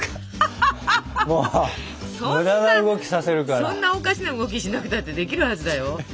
そんなおかしな動きしなくたってできるはずだよ。